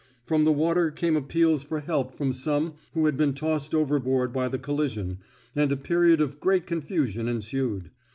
From the water came appeals for help from some who had been tossed overboard by the collision, and a period of great confusion ensued.